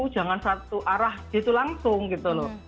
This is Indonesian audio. jangan satu arah gitu langsung gitu loh